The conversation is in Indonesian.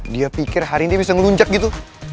dia pikir hari ini dia bisa ngeluncak gitu